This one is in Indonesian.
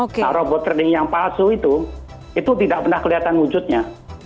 nah robot trading yang palsu itu itu tidak pernah kelihatan wujudnya